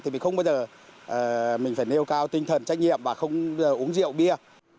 thì mình không bao giờ mình phải nêu cao tinh thần trách nhiệm mà không uống rượu bia